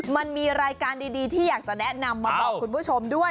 มันมีรายการดีที่อยากจะแนะนำมาบอกคุณผู้ชมด้วย